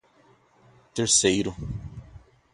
terceiro